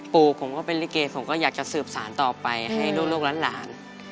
ปู่ผมก็เป็นลิเกผมก็อยากจะสืบสารต่อไปให้ลูกหลาน